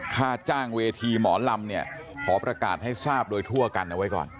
ค่าจ้างเวทีหมอลำเนี่ยขอประกาศให้ทราบโดยทั่วกันเอาไว้ก่อน